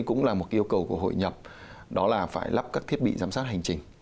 cũng là một yêu cầu của hội nhập đó là phải lắp các thiết bị giám sát hành trình